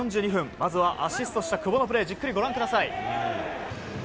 まずはアシストした久保のプレーじっくりご覧ください。